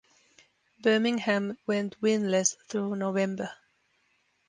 Birmingham went winless through November.